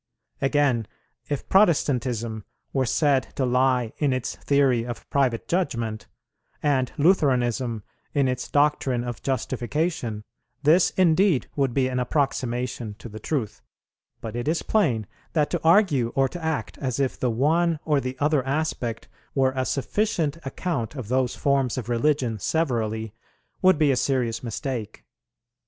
Again, if Protestantism were said to lie in its theory of private judgment, and Lutheranism in its doctrine of justification, this indeed would be an approximation to the truth; but it is plain that to argue or to act as if the one or the other aspect were a sufficient account of those forms of religion severally, would be a serious mistake.